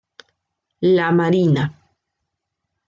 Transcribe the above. La Marina.